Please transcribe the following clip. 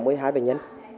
điều trị ổn định